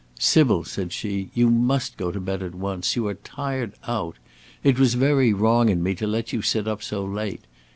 "Sybil," said she, "you must go to bed at once. You are tired out. It was very wrong in me to let you sit up so late.